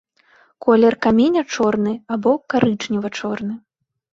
Колер каменя чорны або карычнева-чорны.